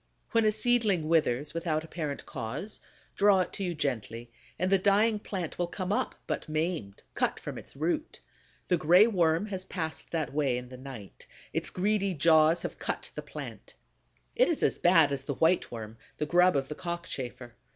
When a seedling withers without apparent cause, draw it to you gently; and the dying plant will come up, but maimed, cut from its root. The Gray Worm has passed that way in the night; its greedy jaws have cut the plant. It is as bad as the White Worm, the grub of the Cockchafer.